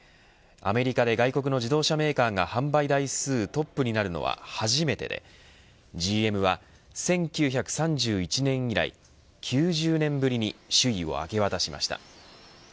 アメリカで外国の自動車メーカーが販売台数トップになるのは初めてでＧＭは１９３１年以来９０年ぶりに首位を明け渡しました。